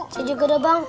saya juga udah bang